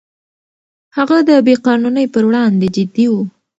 هغه د بې قانونۍ پر وړاندې جدي و.